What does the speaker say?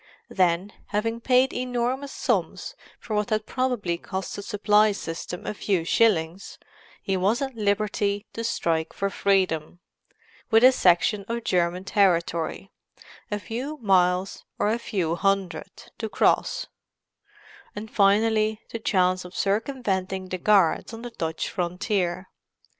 Then, having paid enormous sums for what had probably cost the supply system a few shillings, he was at liberty to strike for freedom—with a section of German territory—a few miles or a few hundred—to cross; and finally the chance of circumventing the guards on the Dutch frontier.